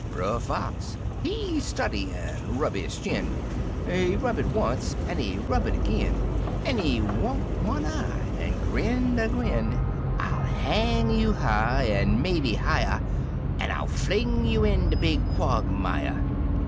" Brer Fox, he study an' rub his chin, He rub it once, an' he rub it ag'in. An' he wunk one eye, an' grinned a grin — "riJ hang you high, an' maybe higher, An' III fling you in de big quogmire